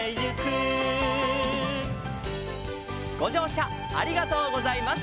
「ごじょうしゃありがとうございます」